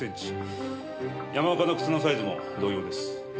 山岡の靴のサイズも同様です。